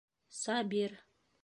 Сабир.